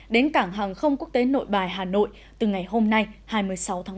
đến cảng hàng không quốc tế nội bài hà nội từ ngày hôm nay hai mươi sáu tháng ba